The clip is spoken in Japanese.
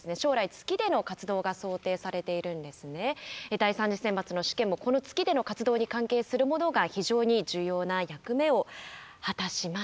第３次選抜の試験もこの月での活動に関係するものが非常に重要な役目を果たします。